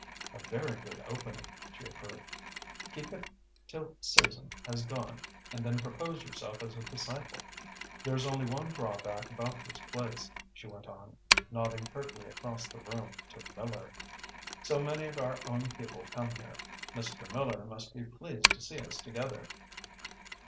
"A very good opening." she approved. "Keep it till Susan has gone and then propose yourself as a disciple. There is only one drawback about this place," she went on, nodding curtly across the room to Miller. "So many of our own people come here. Mr. Miller must be pleased to see us together."